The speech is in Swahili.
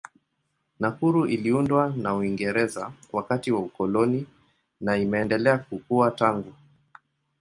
Nakuru iliundwa na Uingereza wakati wa ukoloni na imeendelea kukua tangu.